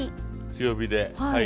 強火で。